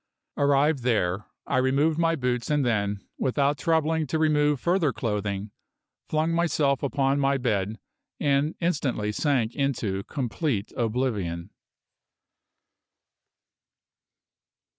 Arrived there, I removed my boots and then, without troubling to remove further clothing, flung myself upon my bed and instantly sank into complete oblivion.